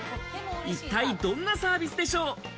一体どんなサービスでしょう？